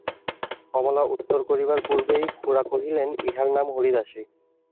কমলা উত্তর করিবার পূর্বেই খুড়া কহিলেন, ইঁহার নাম হরিদাসী।